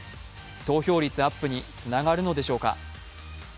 投票率アップにつながるのでしょうか？